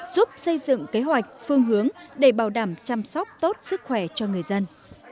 giúp xây dựng kế hoạch phương hướng để bảo đảm chăm sóc tốt sức khỏe cho người dân